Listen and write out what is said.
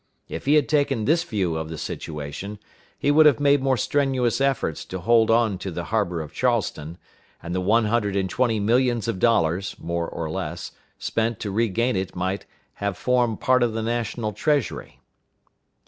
If he had taken this view of the situation, he would have made more strenuous efforts to hold on to the harbor of Charleston, and the one hundred and twenty millions of dollars, more or less, spent to regain it might still have formed part of the national treasury.